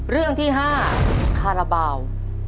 เรื่องที่๕คาราบาล